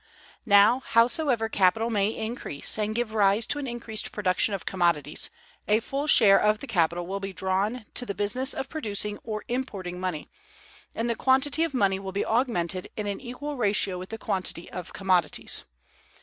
Now, howsoever capital may increase, and give rise to an increased production of commodities, a full share of the capital will be drawn to the business of producing or importing money, and the quantity of money will be augmented in an equal ratio with the quantity of commodities.